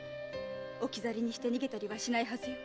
置き去りにして逃げたりはしないはずよ。